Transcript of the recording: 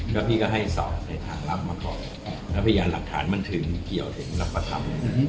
ก็พี่ก็ให้สอบในทางลับมาก่อนแล้วพยานหลักฐานมันถึงเกี่ยวถึงรับประคำ